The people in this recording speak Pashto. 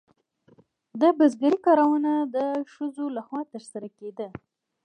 د بزګرۍ کارونه د ښځو لخوا ترسره کیدل.